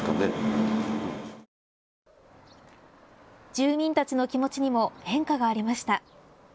住民たちの気持ちにも変化がありました。